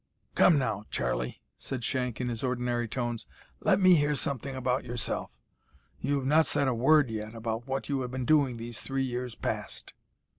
"Come, now, Charlie," said Shank, in his ordinary tones, "let me hear something about yourself. You have not said a word yet about what you have been doing these three years past."